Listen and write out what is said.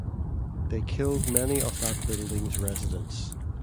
They killed many of that building's residents.